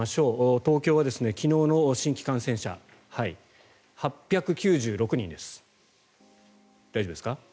東京は昨日の新規感染者８９６人です。